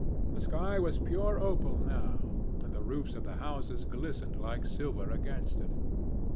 The sky was pure opal now, and the roofs of the houses glistened like silver against it.